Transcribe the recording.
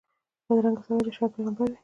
بدرنګه سړی د شر پېغمبر وي